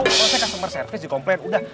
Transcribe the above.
kalau saya customer service dikomplain udah